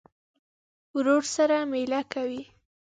ورور سره مېله کوې.